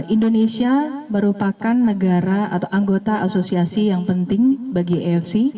indonesia merupakan negara atau anggota asosiasi yang penting bagi afc